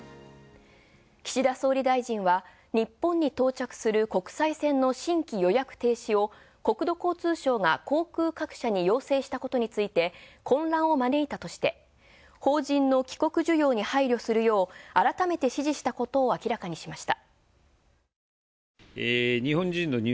岸田総理大臣は日本に到着する国際線の新規予約停止を国土交通省が航空各社に要請したことについて混乱を招いたとして、邦人の帰国需要について配慮するよう改めて指示したことを明らかにしました。